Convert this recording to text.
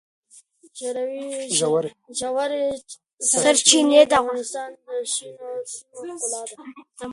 ژورې سرچینې د افغانستان د شنو سیمو ښکلا ده.